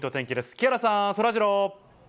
木原さん、そらジロー。